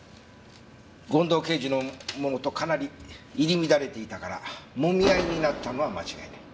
権藤刑事のものとかなり入り乱れていたからもみ合いになったのは間違いない。